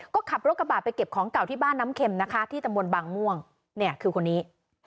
ก็ขับรถกระบาดไปเก็บของเก่าที่บ้านน้ำเข็มนะคะที่ตำบลบางม่วงเนี่ยคือคนนี้